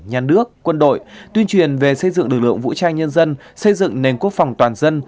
nhà nước quân đội tuyên truyền về xây dựng lực lượng vũ trang nhân dân xây dựng nền quốc phòng toàn dân